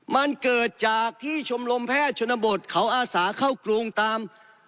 มันเกิดจากที่ชมรมแพทย์ชนบทเขาอาสาเข้ากรุงตาม